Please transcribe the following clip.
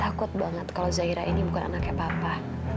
takut banget kalau zaira ini bukan anaknya papa